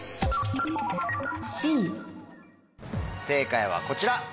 正解はこちら。